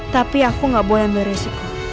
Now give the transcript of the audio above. tapi aku gak boleh ambil resiko